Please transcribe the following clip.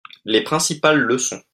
Les principales leçons.